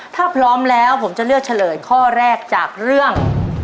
ถ้าพร้อมแล้วผมจะเลือกเฉลยข้อแรกจากเรื่อง